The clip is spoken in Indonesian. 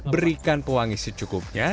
berikan pewangi secukupnya